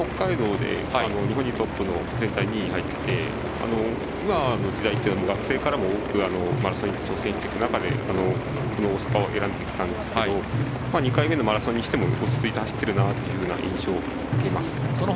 昨年の北海道で日本人トップの全体２位に入っていて今の時代は学生からも多くマラソンに挑戦していく中でこの大阪を選んできたんですけど２回目のマラソンにしても落ち着いて走っているなという印象を受けます。